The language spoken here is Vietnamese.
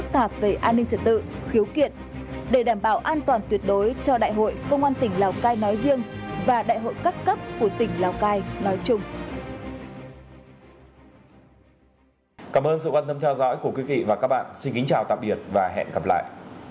cảm ơn sự quan tâm theo dõi của quý vị và các bạn xin kính chào tạm biệt và hẹn gặp lại